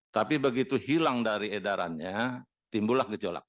tapi begitu hilang dari edarannya timbullah gejolak